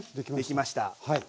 できました。